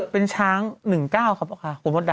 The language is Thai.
เป็นการกระตุ้นการไหลเวียนของเลือด